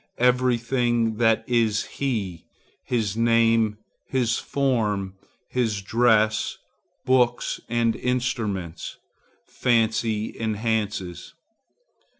Every thing that is his,—his name, his form, his dress, books and instruments,—fancy enhances.